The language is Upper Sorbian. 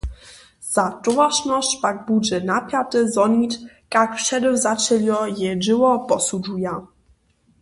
Za towaršnosć pak budźe napjate zhonić, kak předewzaćeljo jeje dźěło posudźuja.